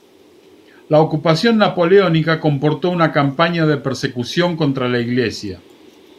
La Ocupación Napoleónica comportó una campaña de persecución contra la iglesia.